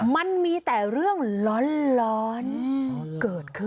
มันมีแต่เรื่องร้อนเกิดขึ้น